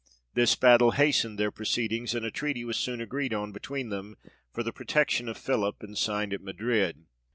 This battle hastened their proceedings, and a treaty was soon agreed on between them, for the pro tection of Philip, and signed at Madrid.